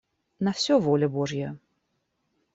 На все воля Божья.